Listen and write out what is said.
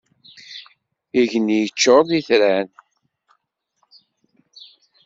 Igenni yeččur d itran.